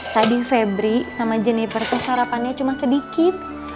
tadi febri sama jeniper kesarapannya cuma sedikit